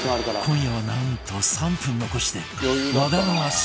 今夜はなんと３分残して和田の圧勝